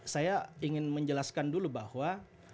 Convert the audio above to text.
saya ingin menjelaskan dulu bahwa